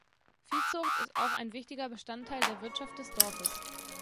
Viehzucht ist auch ein wichtiger Bestandteil der Wirtschaft des Dorfes.